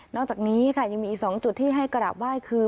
จากนี้ค่ะยังมีอีก๒จุดที่ให้กราบไหว้คือ